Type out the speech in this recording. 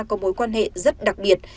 có mối quan hệ rất đặc biệt